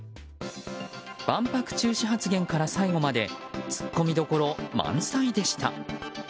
万博中止発言から最後まで突っ込みどころ満載でした。